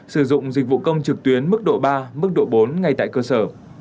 sử dụng dịch vụ công trực tuyến mức độ ba mức độ bốn ngay tại cơ sở